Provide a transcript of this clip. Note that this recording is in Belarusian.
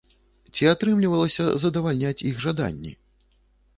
Ці атрымлівалася задавальняць іх жаданні?